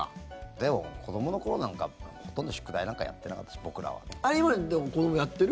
でも、子どもの頃なんかほとんど宿題なんかやってなかったです、僕らはね。今、でも子どもやってる？